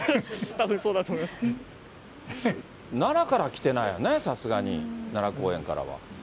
奈良から来てないよね、さすがに、奈良公園からは。